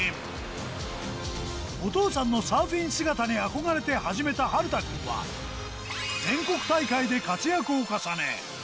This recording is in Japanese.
お父さんのサーフィン姿に憧れて始めた晴凪くんは全国大会で活躍を重ね